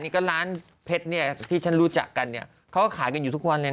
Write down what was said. นี่ก็ร้านเพชรเนี่ยที่ฉันรู้จักกันเนี่ยเขาก็ขายกันอยู่ทุกวันเลย